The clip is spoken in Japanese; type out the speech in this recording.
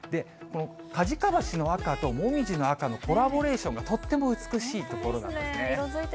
かじか橋の赤ともみじの赤のコラボレーションがとっても美しい所色づいてますね。